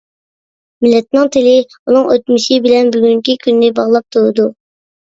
مىللەتنىڭ تىلى ئۇنىڭ ئۆتمۈشى بىلەن بۈگۈنكى كۈننى باغلاپ تۇرىدۇ.